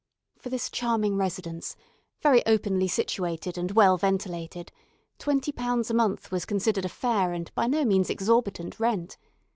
For this charming residence very openly situated, and well ventilated twenty pounds a month was considered a fair and by no means exorbitant rent.